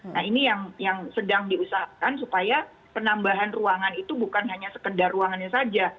nah ini yang sedang diusahakan supaya penambahan ruangan itu bukan hanya sekedar ruangannya saja